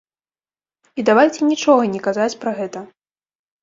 І давайце нічога не казаць пра гэта.